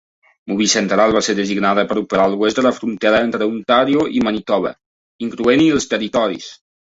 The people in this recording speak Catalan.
Movie Central va ser designada per operar a l'oest de la frontera entre Ontario i Manitoba, incloent-hi els territoris.